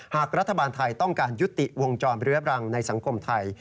หากรัฐบาลไทยต้องการยุติวงจรเรื้อบรังในสังคมไทย